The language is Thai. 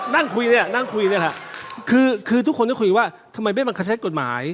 คุณพูดเหมือนกันนี่แหละครับทุกคนต้องคุยว่าทำไมไม่มาแผ่นกับกฏหมาย